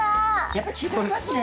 やっぱ違いますね。